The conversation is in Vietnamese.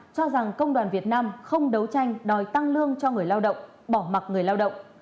cho rằng công đoàn việt nam không đấu tranh đòi tăng lương cho người lao động